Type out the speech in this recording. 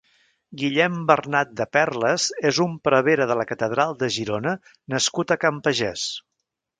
Guillem Bernat de Perles és un prevere de la catedral de Girona nascut a Can Pagès.